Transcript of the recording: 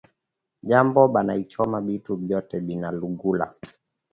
Jambo banaichoma bitu byote bina lungula